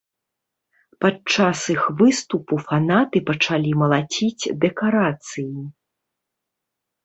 Падчас іх выступу фанаты пачалі малаціць дэкарацыі.